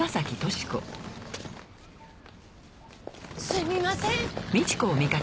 すみません！